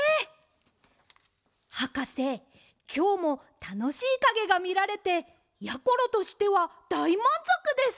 はかせきょうもたのしいかげがみられてやころとしてはだいまんぞくです！